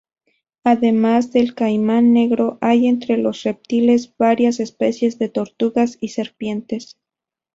Además del caimán negro, hay entre los reptiles varias especies de tortugas y serpientes.